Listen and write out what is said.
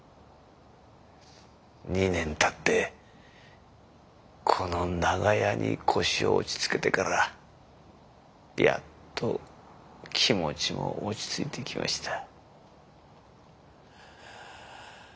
２年たってこの長屋に腰を落ち着けてからやっと気持ちも落ち着いてきました。